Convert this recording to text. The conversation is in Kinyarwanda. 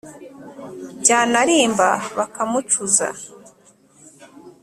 byanarimba bakamucuza